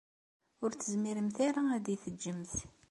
Ur tezmiremt ara ad iyi-teǧǧemt.